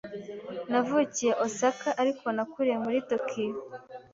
Navukiye Osaka, ariko nakuriye muri Tokiyo.